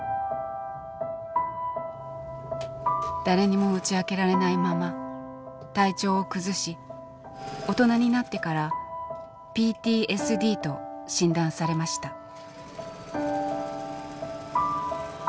誰にも打ち明けられないまま体調を崩し大人になってからＰＴＳＤと診断されました。